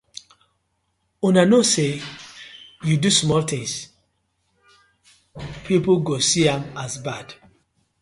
Una kno say yu do small tins e go pipu go see am as bad.